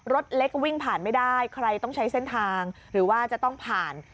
รถเล็กวิ่งผ่านไม่ได้ใครต้องใช้เส้นทางหรือว่าจะต้องผ่าน